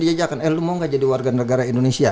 dijajakan eh lu mau nggak jadi warga negara indonesia